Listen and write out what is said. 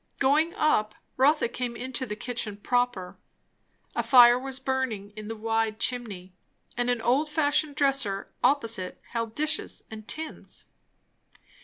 Going up, Rotha came into the kitchen proper. A fire was burning in the wide chimney, and an old fashioned dresser opposite held dishes and tins.